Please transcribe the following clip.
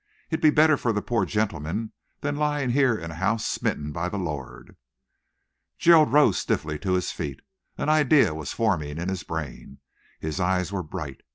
It'll be better for the poor gentleman than lying here in a house smitten by the Lord." Gerald rose stiffly to his feet. An idea was forming in his brain. His eyes were bright.